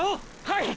⁉はい！！